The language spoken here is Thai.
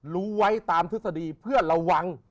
รู้ไว้ตามทฤษฎีเพื่อระวัง